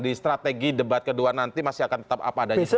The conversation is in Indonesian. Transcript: di strategi debat kedua nanti masih akan tetap apa adanya